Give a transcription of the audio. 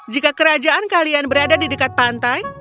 jika kerajaan kalian berada di dekat pantai